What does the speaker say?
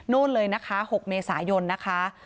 นู่นเลยนะคะ๖เมษายนนะคะ